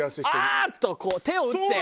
ああー！っとこう手を打って。